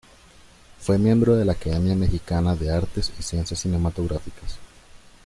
Fue miembro de la Academia Mexicana de Artes y Ciencias Cinematográficas.